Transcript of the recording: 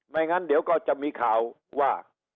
งั้นเดี๋ยวก็จะมีข่าวว่า